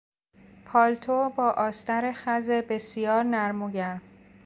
پالتو با آستر خز بسیار نرم و گرم